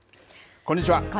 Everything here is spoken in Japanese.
こんにちは。